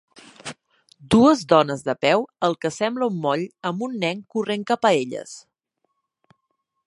Dues dones de peu al que sembla un moll amb un nen corrent cap a elles.